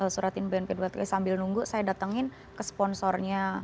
suratin bnp dua kali sambil nunggu saya datengin ke sponsornya